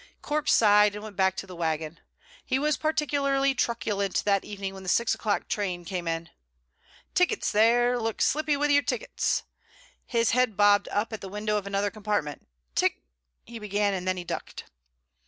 Corp sighed, and went back again to the wagon. He was particularly truculent that evening when the six o'clock train came in. "Tickets, there; look slippy wi' your tickets." His head bobbed up at the window of another compartment. "Tick " he began, and then he ducked.